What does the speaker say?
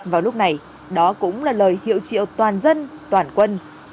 vào lúc này đó cũng là lời hiệu triệu toàn dân toàn quân